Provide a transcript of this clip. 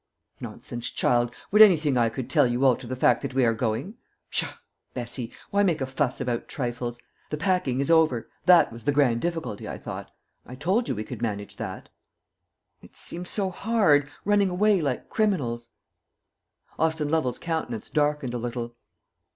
"Nonsense, child! Would anything I could tell you alter the fact that we are going? Pshaw, Bessie! why make a fuss about trifles? The packing is over: that was the grand difficulty, I thought. I told you we could manage that." "It seems so hard running away like criminals." Austin Lovel's countenance darkened a little.